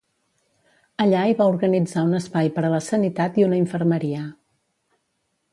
Allà hi va organitzar un espai per a la sanitat i una infermeria.